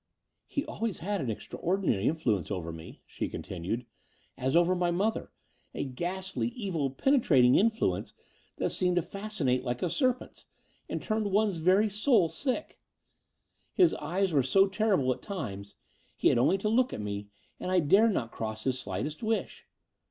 "He always had an extraordinary influence over me," she continued, "as over my mother — a ghastly, evil, penetrating influence that seemed to fascinate like a serpent's, and turned one's very soul sick. His eyes were so terrible at times; he had only to look at me, and I dared not cross his slightest wish.